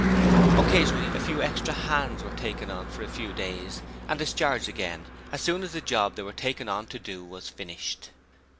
Occasionally a few extra hands were taken on for a few days, and discharged again as soon as the job they were taken on to do was finished.